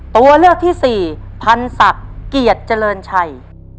ตัวเลือกที่สี่พันศักดิ์เกียรติเจริญชัย